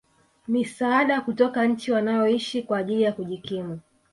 misaada kutoka nchi wanayoishi kwa ajili ya kujikimu